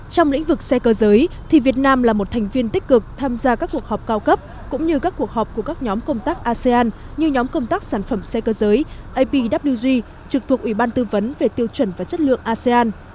trong lĩnh vực xe cơ giới thì việt nam là một thành viên tích cực tham gia các cuộc họp cao cấp cũng như các cuộc họp của các nhóm công tác asean như nhóm công tác sản phẩm xe cơ giới apw trực thuộc ủy ban tư vấn về tiêu chuẩn và chất lượng asean